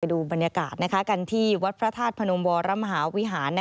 ดูบรรยากาศกันที่วัดพระธาตุพนมวรมหาวิหาร